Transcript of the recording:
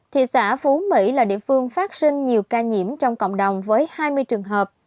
thị xã phú mỹ là địa phương phát sinh nhiều ca nhiễm trong cộng đồng với hai mươi trường hợp